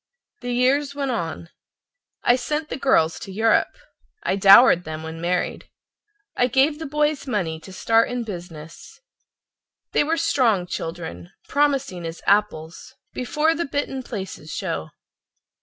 The years went on. I sent the girls to Europe; I dowered them when married. I gave the boys money to start in business. They were strong children, promising as apples Before the bitten places show.